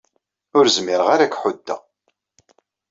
Ur zmireɣ ara ad k-ḥuddeɣ.